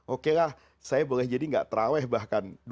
oke lah saya boleh jadi tidak terawai bahkan